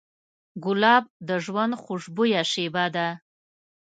ګلاب د ژوند خوشبویه شیبه ده.